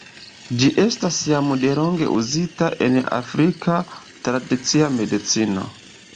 Ĝi estas jam delonge uzita en afrika tradicia medicino.